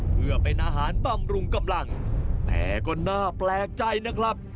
เพื่อเป็นอาหารบำรุงกำลังแต่ก็น่าแปลกใจนะครับ